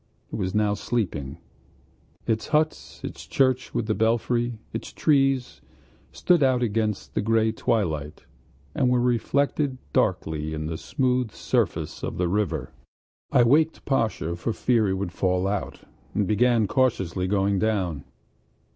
It was now sleeping.... Its huts, its church with the belfry, its trees, stood out against the gray twilight and were reflected darkly in the smooth surface of the river. I waked Pashka for fear he should fall out and began cautiously going down.